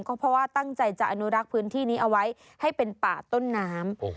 เพราะว่าตั้งใจจะอนุรักษ์พื้นที่นี้เอาไว้ให้เป็นป่าต้นน้ำ